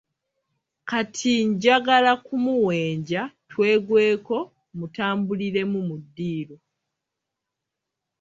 Kati njagala kumuwenja twegweko mutambulire mu ddiiru.